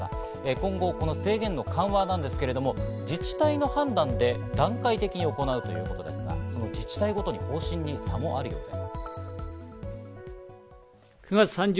今後、制限の緩和なんですけれども、自治体の判断で段階的に行うということですが、自治体ごとに方針に差もあるようです。